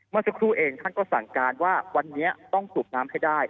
เมื่อสักครู่เองท่านก็สั่งการว่าวันนี้ต้องสูบน้ำให้ได้